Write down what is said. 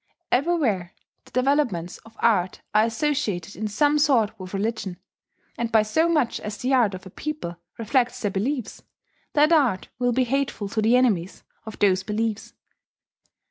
Everywhere the developments of art are associated in some sort with religion; and by so much as the art of a people reflects their beliefs, that art will be hateful to the enemies of those beliefs.